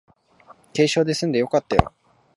軽傷ですんでよかったよ